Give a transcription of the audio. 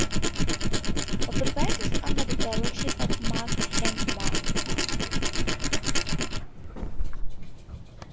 The band is under the direction of Mark Hardman.